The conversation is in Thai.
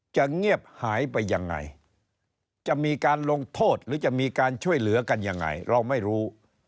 เงียบหายไปยังไงจะมีการลงโทษหรือจะมีการช่วยเหลือกันยังไงเราไม่รู้